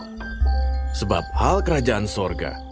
karena hal kerajaan sorga